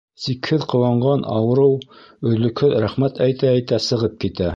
Сикһеҙ ҡыуанған ауырыу өҙлөкһөҙ рәхмәт әйтә-әйтә сығып китә.